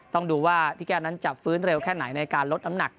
ต้องดูว่าพี่แก้วนั้นจะฟื้นเร็วแค่ไหนในการลดน้ำหนัก